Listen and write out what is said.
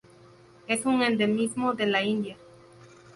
Es un endemismo de la India.